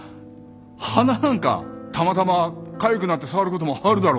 鼻なんかたまたまかゆくなって触ることもあるだろう。